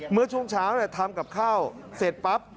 เมื่อช่วงเช้าทำกับข้าวเสร็จปั๊บ